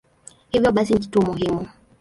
Hivyo basi ni kituo muhimu.